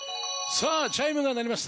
さぁチャイムが鳴りました。